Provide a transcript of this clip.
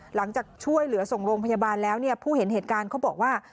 หลังจากช่วยเหลือส่งโรงพยาบาลแล้วเนี่ยผู้เห็นเหตุการณ์เขาบอกว่า